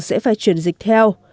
sẽ phải chuyển dịch theo